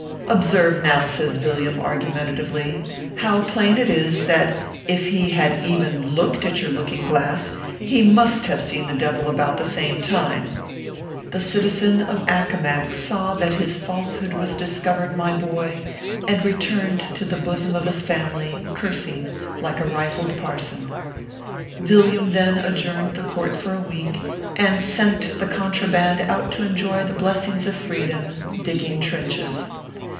Observe now/ says Vil liam, argumentatively, "how plain it is ? that if he had even looked at your looking glass, he must have seen the devil about the same time/ The citizen of Accomac saw that his falsehood was discovered, my boy, and returned to the bosom of his family cursing like a rifled parson. Villiam then adjourned the court for a week, and sent the contra band out to enjoy the blessings of freedom, digging trenches.